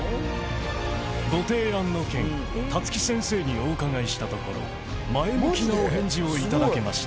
ご提案の件たつき先生にお伺いしたところ前向きなお返事をいただけました。